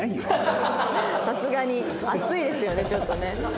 さすがに暑いですよねちょっとね。